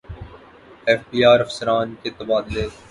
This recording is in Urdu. ایف بی ار افسران کے تبادلے